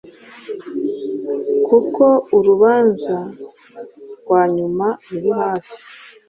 kuko Urubanza rwanyuma ruri hafi.